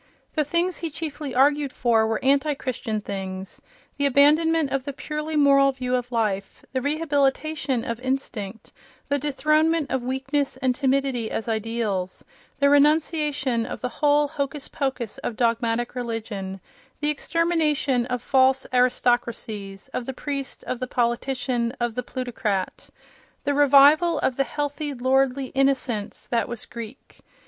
The things he chiefly argued for were anti Christian things—the abandonment of the purely moral view of life, the rehabilitation of instinct, the dethronement of weakness and timidity as ideals, the renunciation of the whole hocus pocus of dogmatic religion, the extermination of false aristocracies (of the priest, of the politician, of the plutocrat), the revival of the healthy, lordly "innocence" that was Greek.